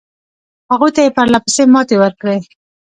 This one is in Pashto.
هغوی ته یې پرله پسې ماتې ورکړې.